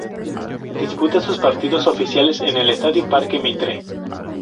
Disputa sus partidos oficiales en el estadio Parque Mitre.